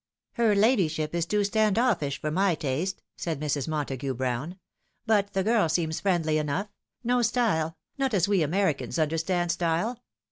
"Her ladyship is too stand offish for my taste," said Mrs. Montagu Brown, " but the girl seems friendly enough no style not as we Americans understand style.